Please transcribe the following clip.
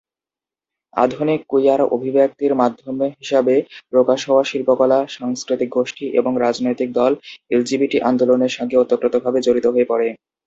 আধুনিক কুইয়ার অভিব্যক্তির মাধ্যম হিসাবে প্রকাশ হওয়া শিল্পকলা, সংস্কৃতিক গোষ্ঠী এবং রাজনৈতিক দল এলজিবিটি আন্দোলনের সঙ্গে ওতপ্রোতভাবে জড়িত হয়ে পড়ে।